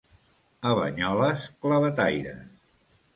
A Banyoles, clavetaires.